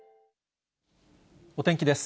お天気です。